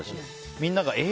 みんながえ？